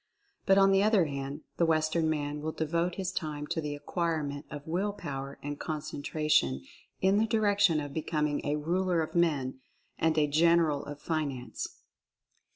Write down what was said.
But, on the other hand, the Western man will devote his time to the acquirement of Will Power and Concentration in the direction of becoming a Ruler of Men and a General of Finance.